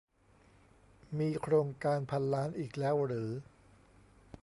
มีโครงการพันล้านอีกแล้วหรือ ?